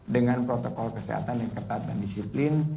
dengan protokol kesehatan yang ketat dan disiplin